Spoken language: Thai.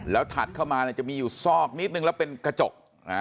แล้วถัดเข้ามาจะมีอยู่ซอกนิดนึงแล้วเป็นกระจก